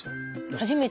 初めて？